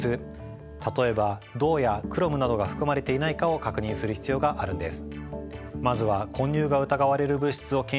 例えば銅やクロムなどが含まれていないかを確認する必要があるんです。